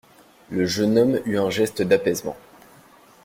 Le jeune homme eut un geste d’apaisement.